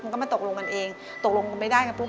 ก็มาตกลงกันเองตกลงกันไม่ได้กันปุ๊